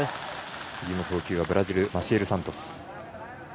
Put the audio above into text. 次の投球はブラジル、マシエル・サントス。